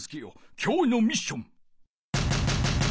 今日のミッション！